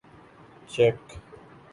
check